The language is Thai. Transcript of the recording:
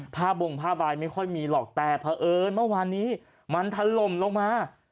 ภาพบงภาพวายไม่ค่อยมีหรอกแต่เพราะเอิญเมื่อวานนี้มันทันลมลงมา